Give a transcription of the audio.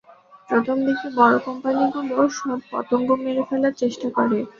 প্রথমদিকে বড়ো কোম্পানিগুলো সব পতঙ্গ মেরে ফেলার চেষ্টা করে।